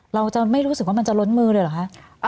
เราจะไม่รู้สึกว่ามันจะล้นมือเลยเหรอคะ